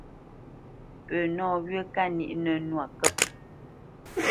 Pə nɔwyə̂ kâ níʼ nə́ nwâ kə̂p.